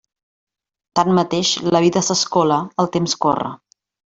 Tanmateix, la vida s'escola, el temps corre.